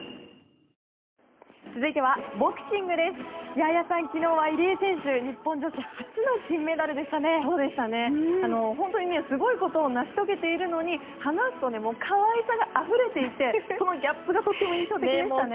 綾さん、昨日は入江選手が日本女子初の本当にすごいことを成し遂げているのに話すと可愛さがあふれていてそのギャップがとっても印象的でしたね。